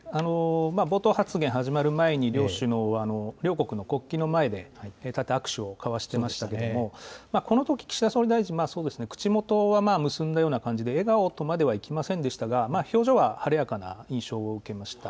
冒頭発言始まる前に、両首脳は両国の国旗の前で握手を交わしていましたけれども、このとき、岸田総理大臣、口元は結んだような感じで、笑顔とまではいきませんでしたけれども、表情は晴れやかな印象を受けました。